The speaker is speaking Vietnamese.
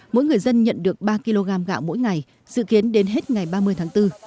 mỗi người dân nhận được ba kg gạo mỗi ngày dự kiến đến hết ngày ba mươi tháng bốn